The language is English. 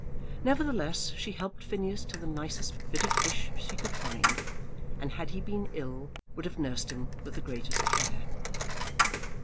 Nevertheless she helped Phineas to the nicest bit of fish she could find, and had he been ill, would have nursed him with the greatest care.